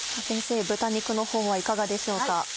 先生豚肉のほうはいかがでしょうか？